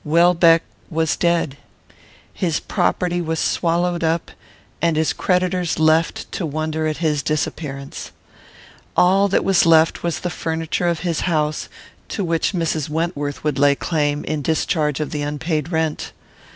Welbeck was dead. His property was swallowed up, and his creditors left to wonder at his disappearance. All that was left was the furniture of his house, to which Mrs. Wentworth would lay claim, in discharge of the unpaid rent.